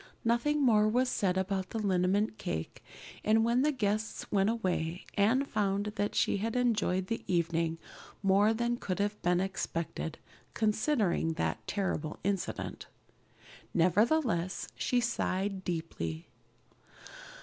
Nothing more was said about the liniment cake, and when the guests went away Anne found that she had enjoyed the evening more than could have been expected, considering that terrible incident. Nevertheless, she sighed deeply.